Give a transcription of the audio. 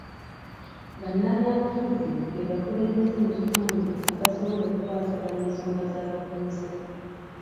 Bannabyabufuzi be bakulembeze mu kitundu abasobola okukwasaganya ensonga z'abatuuze.